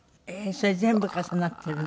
それ全部重なっているの？